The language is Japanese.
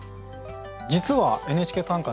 実は「ＮＨＫ短歌」